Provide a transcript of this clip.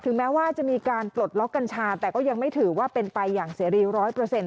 แม้ว่าจะมีการปลดล็อกกัญชาแต่ก็ยังไม่ถือว่าเป็นไปอย่างเสรีร้อยเปอร์เซ็น